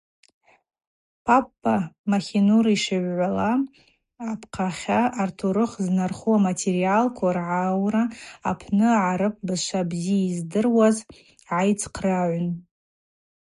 Папба Махинур йшлыгӏвуала, апхьахьа атурых знархару аматериалква ргӏаура апны гӏарып бызшва бзита йъайдыруаз гӏайцхърагӏун.